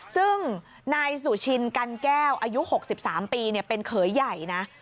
ซึ่งนายสุชินกันแก้วอายุ๖๓ปีเป็นเขยใหญ่นะ